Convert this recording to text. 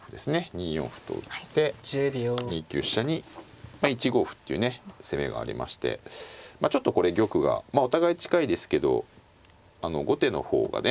２四歩と打って２九飛車に１五歩っていう攻めがありましてちょっとこれ玉がお互い近いですけど後手の方がね